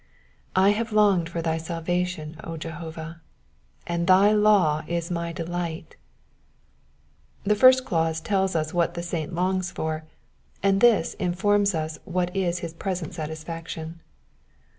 I have longed for thy sal vation, O Jehovah ; and thy law is my delight,''^ The first clause tells us what the saint longs for, and this informs us what is h!"} present satisfaction.